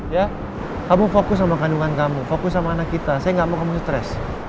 ya kamu fokus sama kandungan kamu fokus sama anak kita saya gak mau kamu stres